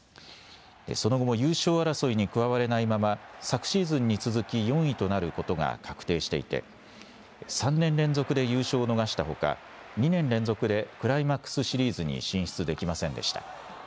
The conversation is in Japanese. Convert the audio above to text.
その後も優勝争いに加われないまま、昨シーズンに続き４位となることが確定していて、３年連続で優勝を逃したほか、２年連続でクライマックスシリーズに進出できませんでした。